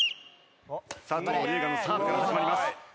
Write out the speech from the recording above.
佐藤龍我のサーブから始まります。